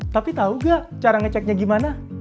tapi tau gak cara ngeceknya gimana